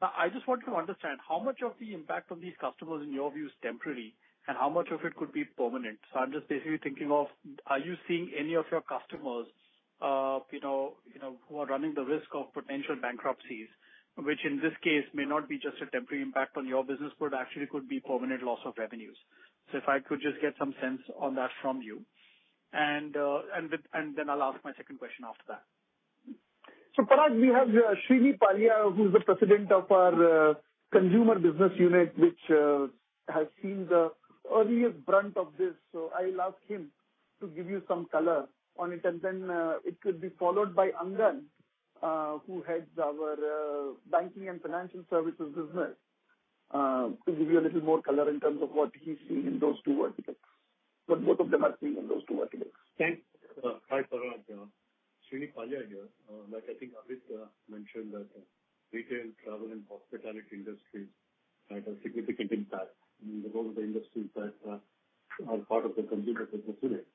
I just wanted to understand how much of the impact on these customers, in your view, is temporary and how much of it could be permanent. I'm just basically thinking of, are you seeing any of your customers who are running the risk of potential bankruptcies, which in this case may not be just a temporary impact on your business, but actually could be permanent loss of revenues? So if I could just get some sense on that from you. And then I'll ask my second question after that. Parag, we have Srini Pallia, who's the President of our Consumer Business Unit, which has seen the earliest brunt of this. So I'll ask him to give you some color on it. And then it could be followed by Angan, who heads our Banking and Financial Services business, to give you a little more color in terms of what he's seen in those two verticals, what both of them are seeing in those two verticals. Thanks. Hi, Parag. Srini Pallia here. Like I think Abid mentioned, that retail, travel, and hospitality industries had a significant impact in both of the industries that are part of the Consumer Business Unit.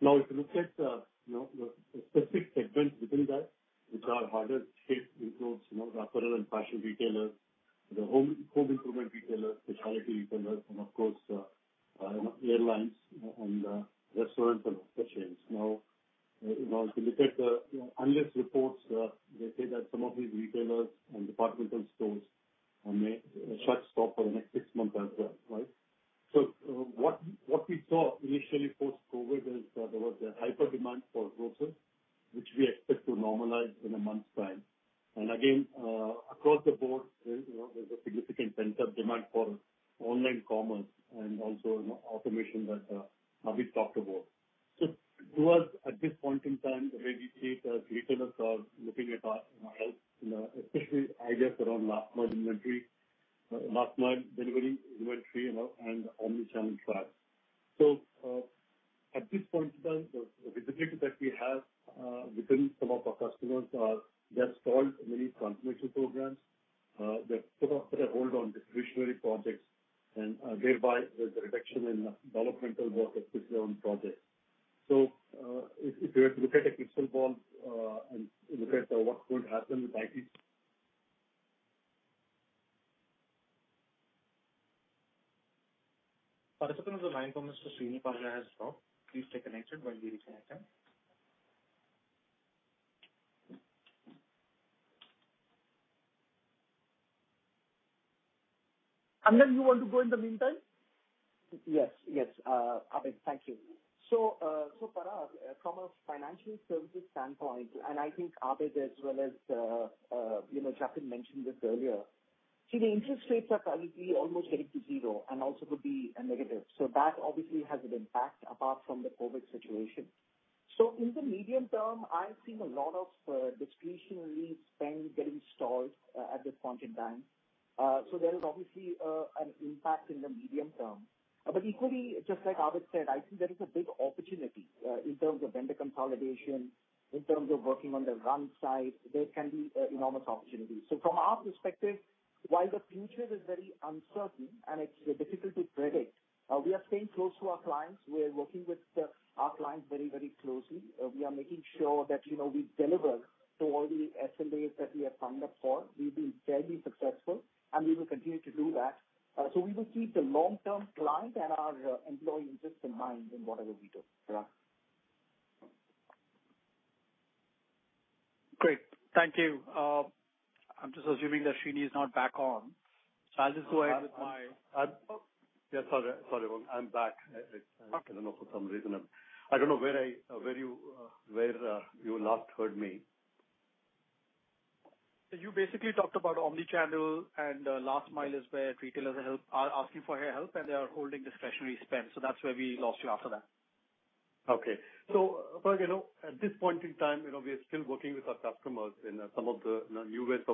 Now, if you look at the specific segments within that, which are harder to hit, includes apparel and fashion retailers, the home improvement retailers, specialty retailers, and of course, airlines and restaurants and hospitality chains. Now, if you look at the analyst reports, they say that some of these retailers and department stores may shut shop for the next six months as well. Right? So what we saw initially post-COVID is that there was a hyper demand for grocers, which we expect to normalize in a month's time. Again, across the board, there's a significant pent-up demand for online commerce and also automation that Abid talked about. So to us, at this point in time, the way we see it as retailers are looking at our health, especially I guess around last-mile inventory, last-mile delivery inventory, and omnichannel trucks. So at this point in time, the visibility that we have within some of our customers are they've stalled many transformation programs. They've put a hold on discretionary projects, and thereby, there's a reduction in developmental work, especially on projects. So if you were to look at a crystal ball and look at what's going to happen with IT. Parag, the line for Mr. Srini Pallia has dropped. Please stay connected while we reconnect him. Angan, you want to go in the meantime? Yes. Yes. Abid, thank you. So Parag, from a financial services standpoint, and I think Abid as well as Jatin mentioned this earlier, see, the interest rates are currently almost getting to zero and also could be negative. So that obviously has an impact apart from the COVID situation. So in the medium term, I've seen a lot of discretionary spend getting stalled at this point in time. So there is obviously an impact in the medium term. But equally, just like Abid said, I think there is a big opportunity in terms of vendor consolidation, in terms of working on the run side. There can be enormous opportunities. So from our perspective, while the future is very uncertain and it's difficult to predict, we are staying close to our clients. We're working with our clients very, very closely. We are making sure that we deliver to all the SLAs that we have signed up for. We've been fairly successful, and we will continue to do that. So we will keep the long-term client and our employee interests in mind in whatever we do. Great. Thank you. I'm just assuming that Srini is not back on. So I'll just go ahead with my. Yes, sorry. Sorry, Ankur. I'm back. I don't know for some reason. I don't know where you last heard me. So you basically talked about omnichannel, and last mile is where retailers are asking for help, and they are holding discretionary spend. So that's where we lost you after that. Okay. So Parag, at this point in time, we are still working with our customers in some of the new ways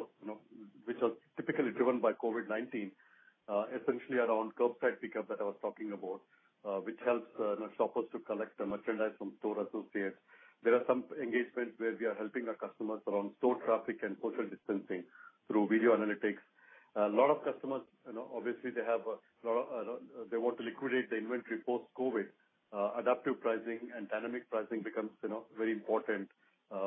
which are typically driven by COVID-19, essentially around curbside pickup that I was talking about, which helps shoppers to collect merchandise from store associates. There are some engagements where we are helping our customers around store traffic and social distancing through video analytics. A lot of customers, obviously, they have a lot of, they want to liquidate the inventory post-COVID. Adaptive pricing and dynamic pricing becomes very important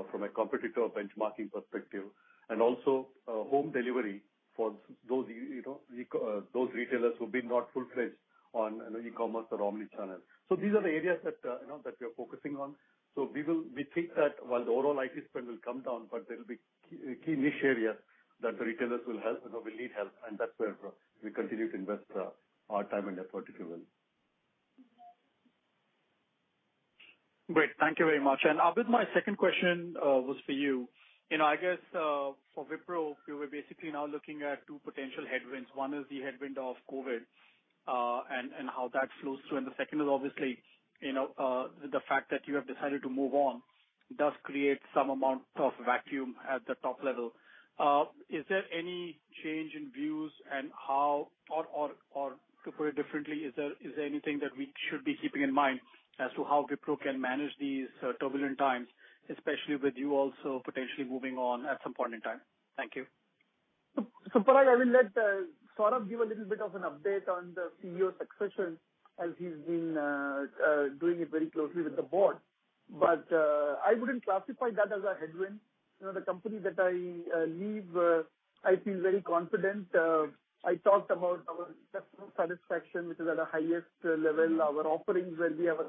from a competitor benchmarking perspective. And also home delivery for those retailers who have been not fully fledged on e-commerce or omnichannel. So these are the areas that we are focusing on. So we think that while the overall IT spend will come down, but there will be key niche areas that the retailers will need help. That's where we continue to invest our time and effort, if you will. Great. Thank you very much. Abid, my second question was for you. I guess for Wipro, we were basically now looking at two potential headwinds. One is the headwind of COVID and how that flows through. The second is obviously the fact that you have decided to move on does create some amount of vacuum at the top level. Is there any change in views and how, or to put it differently, is there anything that we should be keeping in mind as to how Wipro can manage these turbulent times, especially with you also potentially moving on at some point in time? Thank you. Parag, I will let Saurabh give a little bit of an update on the CEO succession as he's been doing it very closely with the board. But I wouldn't classify that as a headwind. The company that I lead, I feel very confident. I talked about our customer satisfaction, which is at the highest level. Our offerings where we have a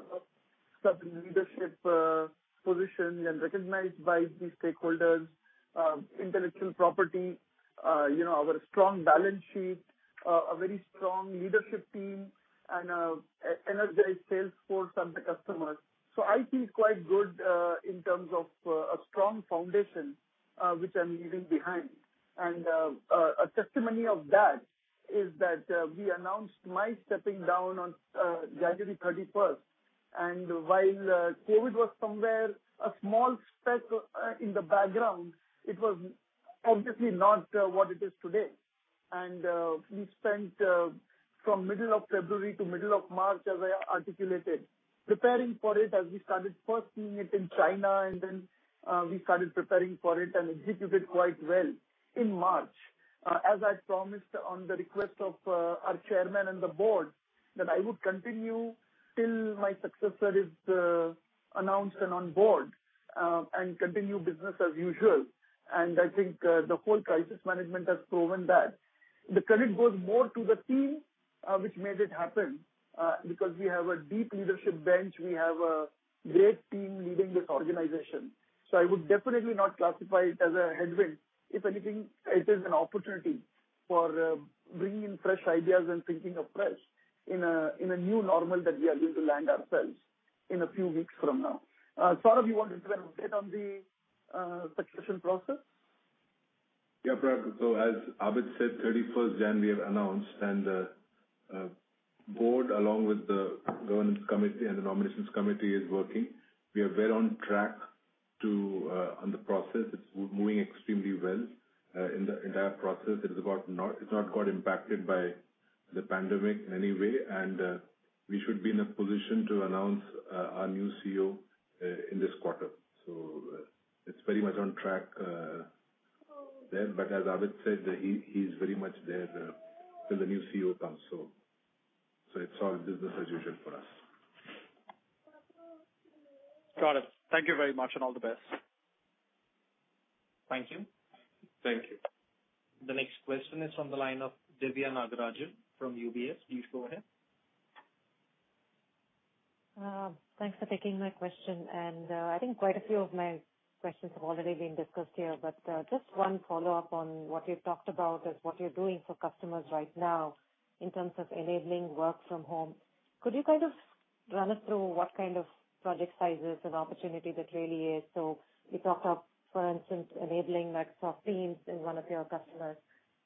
certain leadership position and recognized by the stakeholders, intellectual property, our strong balance sheet, a very strong leadership team, and an energized sales force of the customers. So it is quite good in terms of a strong foundation which I'm leaving behind. And a testimony of that is that we announced my stepping down on January 31st. And while COVID was somewhere a small speck in the background, it was obviously not what it is today. And we spent from middle of February to middle of March, as I articulated, preparing for it as we started first seeing it in China, and then we started preparing for it and executed quite well in March. As I promised on the request of our chairman and the board, that I would continue till my successor is announced and on board and continue business as usual. I think the whole crisis management has proven that. The credit goes more to the team which made it happen because we have a deep leadership bench. We have a great team leading this organization. So I would definitely not classify it as a headwind. If anything, it is an opportunity for bringing in fresh ideas and thinking afresh in a new normal that we are going to land ourselves in a few weeks from now. Saurabh, you wanted to get an update on the succession process? Yeah, Parag. So as Abid said, 31st January, we have announced, and the board, along with the governance committee and the nominations committee, is working. We are well on track on the process. It's moving extremely well in the entire process. It's not got impacted by the pandemic in any way. And we should be in a position to announce our new CEO in this quarter. So it's very much on track there. But as Abid said, he's very much there till the new CEO comes. So it's all business as usual for us. Got it. Thank you very much and all the best. Thank you. Thank you. The next question is from the line of Diviya Nagarajan from UBS. Please go ahead. Thanks for taking my question. And I think quite a few of my questions have already been discussed here. But just one follow-up on what we've talked about is what you're doing for customers right now in terms of enabling work from home. Could you kind of run us through what kind of project sizes and opportunity that really is? So we talked of, for instance, enabling Microsoft Teams in one of your customers.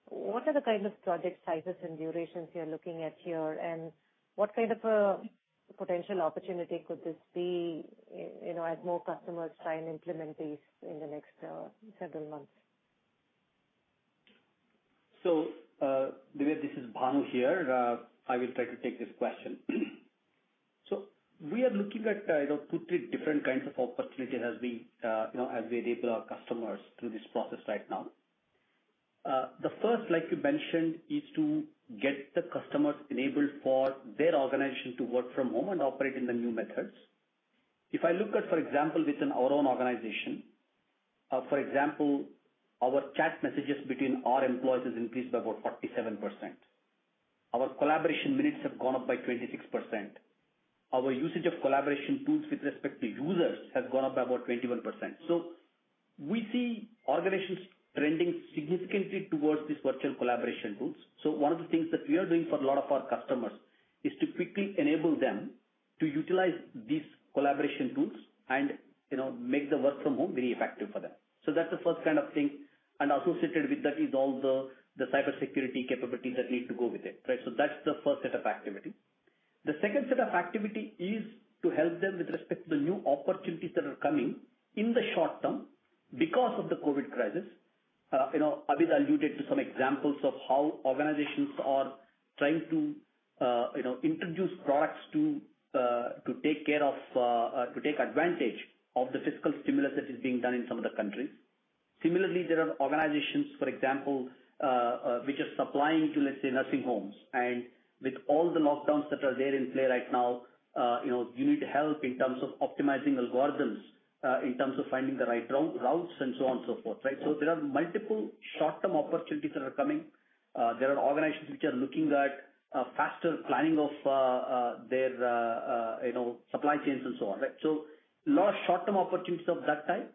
What are the kind of project sizes and durations you're looking at here? And what kind of a potential opportunity could this be as more customers try and implement these in the next several months? So Diviya, this is Bhanu here. I will try to take this question. So we are looking at two to three different kinds of opportunities as we enable our customers through this process right now. The first, like you mentioned, is to get the customers enabled for their organization to work from home and operate in the new methods. If I look at, for example, within our own organization, for example, our chat messages between our employees has increased by about 47%. Our collaboration minutes have gone up by 26%. Our usage of collaboration tools with respect to users has gone up by about 21%. So we see organizations trending significantly towards these virtual collaboration tools. So one of the things that we are doing for a lot of our customers is to quickly enable them to utilize these collaboration tools and make the work from home very effective for them. So that's the first kind of thing. And associated with that is all the cybersecurity capabilities that need to go with it. Right? So that's the first set of activity. The second set of activity is to help them with respect to the new opportunities that are coming in the short term because of the COVID crisis. Abid alluded to some examples of how organizations are trying to introduce products to take care of, to take advantage of the fiscal stimulus that is being done in some of the countries. Similarly, there are organizations, for example, which are supplying to, let's say, nursing homes, and with all the lockdowns that are there in play right now, you need help in terms of optimizing algorithms, in terms of finding the right routes, and so on and so forth. Right? So there are multiple short-term opportunities that are coming. There are organizations which are looking at faster planning of their supply chains and so on. Right? So a lot of short-term opportunities of that type.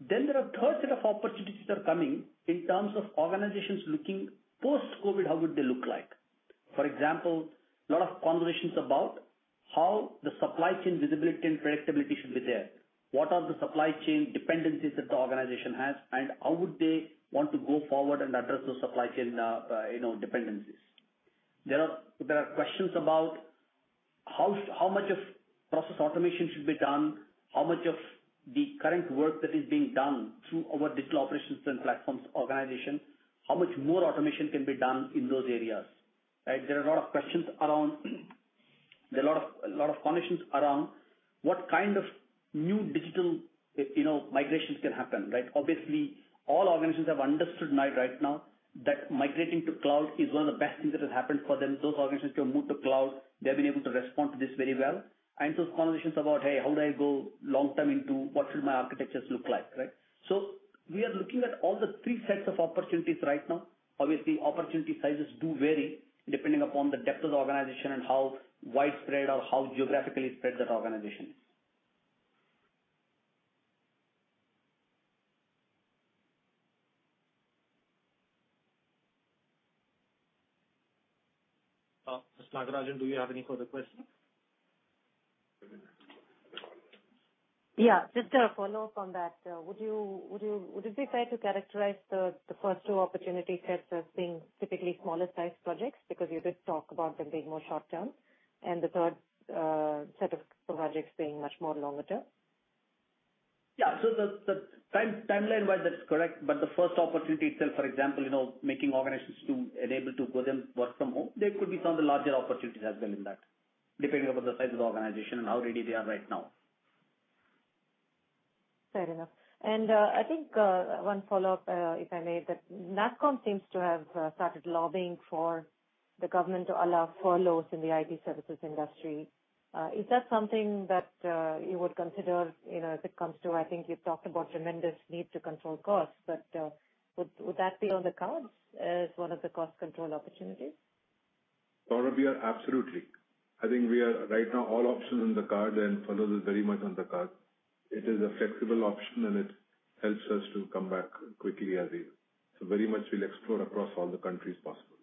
Then there are a third set of opportunities that are coming in terms of organizations looking post-COVID, how would they look like? For example, a lot of conversations about how the supply chain visibility and predictability should be there. What are the supply chain dependencies that the organization has, and how would they want to go forward and address those supply chain dependencies? There are questions about how much of process automation should be done, how much of the current work that is being done through our digital operations and platforms organization, how much more automation can be done in those areas. Right? There are a lot of questions around, there are a lot of conversations around what kind of new digital migrations can happen. Right? Obviously, all organizations have understood right now that migrating to cloud is one of the best things that has happened for them. Those organizations who have moved to cloud, they have been able to respond to this very well. Those conversations about, "Hey, how do I go long-term into what should my architectures look like?" Right? We are looking at all the three sets of opportunities right now. Obviously, opportunity sizes do vary depending upon the depth of the organization and how widespread or how geographically spread that organization is. Ms. Nagarajan, do you have any further questions? Yeah. Just a follow-up on that. Would it be fair to characterize the first two opportunity sets as being typically smaller-sized projects because you did talk about them being more short-term and the third set of projects being much more longer-term? Yeah. The timeline-wise, that's correct. But the first opportunity itself, for example, making organizations enabled to go and work from home, there could be some of the larger opportunities as well in that, depending upon the size of the organization and how ready they are right now. Fair enough. And I think one follow-up, if I may, that NASSCOM seems to have started lobbying for the government to allow furloughs in the IT services industry. Is that something that you would consider if it comes to, I think you've talked about tremendous need to control costs, but would that be on the cards as one of the cost control opportunities? Saurabh, we are absolutely. I think we are right now all options on the card and furloughs are very much on the card. It is a flexible option, and it helps us to come back quickly as is. So very much we'll explore across all the countries possible.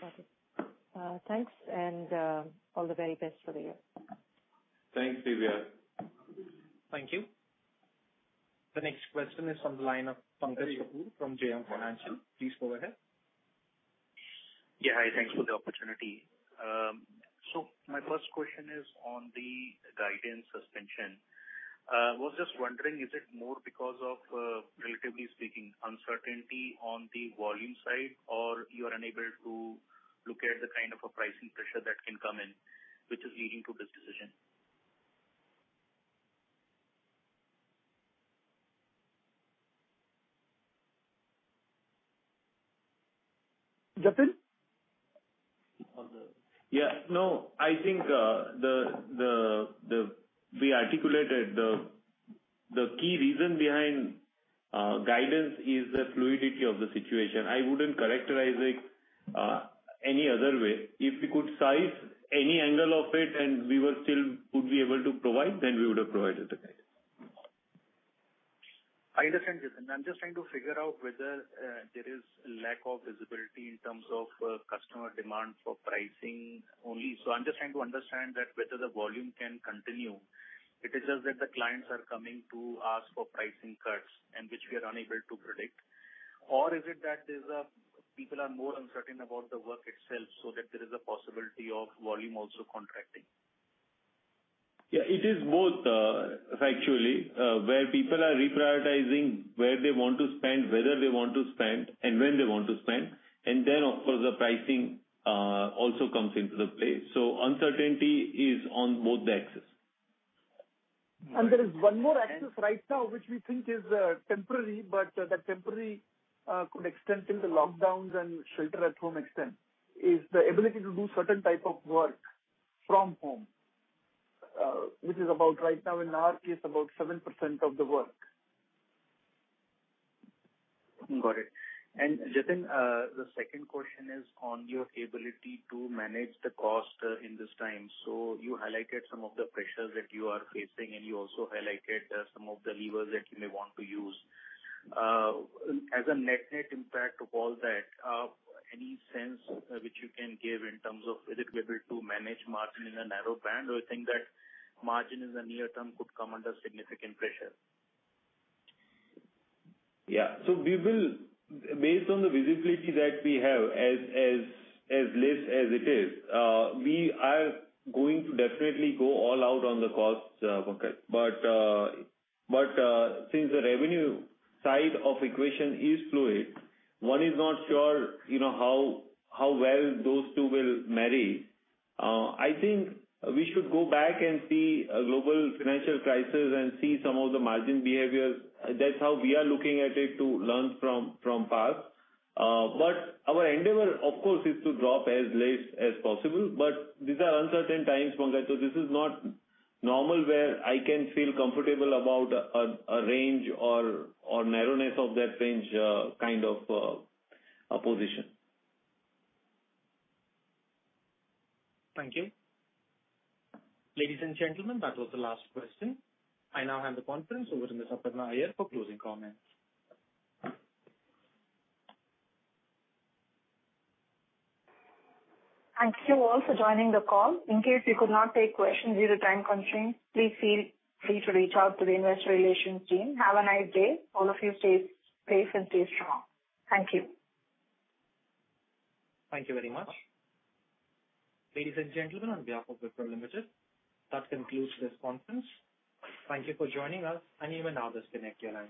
Got it. Thanks. And all the very best for the year. Thanks, Diviya. Thank you. The next question is from the line of Pankaj Kapoor from JM Financial. Please go ahead. Yeah. Hi. Thanks for the opportunity. So my first question is on the guidance suspension. I was just wondering, is it more because of, relatively speaking, uncertainty on the volume side, or you are unable to look at the kind of pricing pressure that can come in, which is leading to this decision? Jatin? Yeah. No, I think we articulated the key reason behind guidance is the fluidity of the situation. I wouldn't characterize it any other way. If we could size any angle of it and we would be able to provide, then we would have provided the guidance. I understand, Jatin. I'm just trying to figure out whether there is a lack of visibility in terms of customer demand for pricing only. So I'm just trying to understand that whether the volume can continue. It is just that the clients are coming to ask for pricing cuts and which we are unable to predict. Or is it that people are more uncertain about the work itself so that there is a possibility of volume also contracting? Yeah. It is both, factually, where people are reprioritizing where they want to spend, whether they want to spend, and when they want to spend. And then, of course, the pricing also comes into play. So uncertainty is on both the axes. And there is one more axis right now, which we think is temporary, but that temporary could extend till the lockdowns and shelter-in-place extend, is the ability to do certain type of work from home, which is about right now, in our case, about 7% of the work. Got it. And Jatin, the second question is on your ability to manage the cost in this time. So you highlighted some of the pressures that you are facing, and you also highlighted some of the levers that you may want to use. As a net-net impact of all that, any sense which you can give in terms of whether you're able to manage margin in a narrow band, or you think that margin in the near term could come under significant pressure? Yeah. So based on the visibility that we have, as less as it is, we are going to definitely go all out on the cost, Pankaj. But since the revenue side of the equation is fluid, one is not sure how well those two will marry. I think we should go back and see a Global Financial Crisis and see some of the margin behaviors. That's how we are looking at it to learn from past. But our endeavor, of course, is to drop as less as possible. But these are uncertain times, Pankaj. So this is not normal where I can feel comfortable about a range or narrowness of that range kind of position. Thank you. Ladies and gentlemen, that was the last question. I now hand the conference over to Ms. Aparna lyer for closing comments. Thank you all for joining the call. In case you could not take questions due to time constraints, please feel free to reach out to the investor relations team. Have a nice day. All of you, stay safe and stay strong. Thank you. Thank you very much. Ladies and gentlemen, on behalf of Wipro Limited, that concludes this conference. Thank you for joining us, and you may now disconnect the line.